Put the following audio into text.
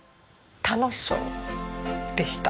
楽しそうでした。